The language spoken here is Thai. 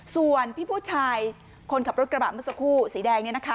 ส่วนพี่ผู้ชายคนขับรถกระบะเมื่อสักครู่สีแดง